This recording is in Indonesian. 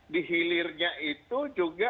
di hilirnya itu juga